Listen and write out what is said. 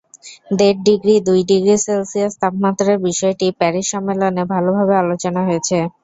দেড় ডিগ্রি, দুই degree Celsius তাপমাত্রার বিষয়টি প্যারিস সম্মেলনে ভালোভাবে আলোচনা হয়েছে।